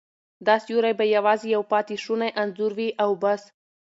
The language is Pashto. دا سیوری به یوازې یو پاتې شونی انځور وي او بس.